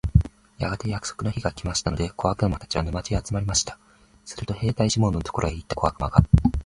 やがて約束の日が来ましたので、小悪魔たちは、沼地へ集まりました。すると兵隊シモンのところへ行った小悪魔が、